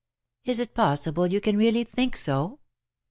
"Is it possible you can really think so?"